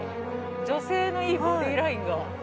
女性のいいボディーラインが。